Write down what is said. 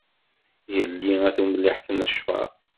Yelli a tumliḥt n ccfer.